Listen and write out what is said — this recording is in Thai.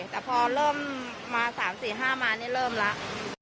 แต่พอเริ่มมา๓๔๕มานี่เริ่มแล้ว